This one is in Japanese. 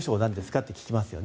って聞きますよね。